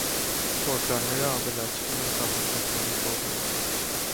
Պորտալները ավելացվում են խաղացողների կողմից։